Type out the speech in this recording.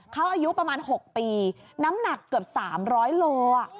เขาอายุประมาณ๖ปีน้ำหนักเกือบ๓๐๐โล